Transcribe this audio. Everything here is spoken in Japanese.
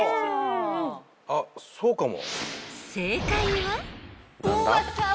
あっそうかも。